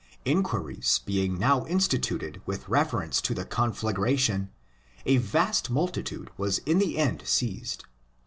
Inquiries being now instituted with reference to the conflagration, a vast multitude was in the end seized.